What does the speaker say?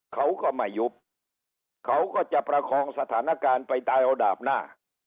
เขาก็ไม่ยุบเขาก็จะประคองสถานการณ์ไปตายเอาดาบหน้า